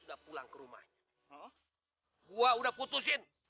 yang bener tuan